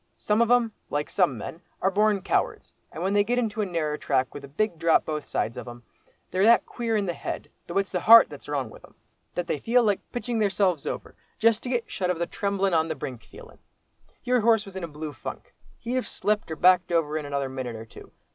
Some of 'em, like some men, are born cowards, and when they get into a narrer track with a big drop both sides of 'em, they're that queer in the head—though it's the heart that's wrong with 'em—that they feel like pitching theirselves over, just to get shut of the tremblin' on the brink feelin'. Your horse was in a blue funk; he'd have slipped or backed over in another minute or two.